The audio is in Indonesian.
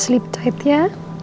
selamat tidur ya